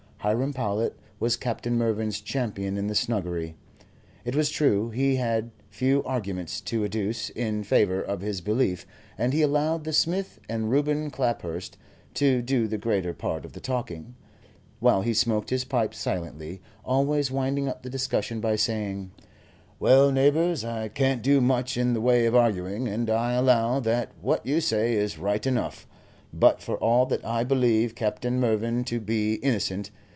Hiram Powlett was Captain Mervyn's champion in the snuggery. It was true he had few arguments to adduce in favour of his belief, and he allowed the smith and Reuben Claphurst to do the greater part of the talking, while he smoked his pipe silently, always winding up the discussion by saying: "Well, neighbours, I can't do much in the way of arguing, and I allow that what you say is right enough, but for all that I believe Captain Mervyn to be innocent.